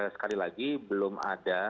sekali lagi belum ada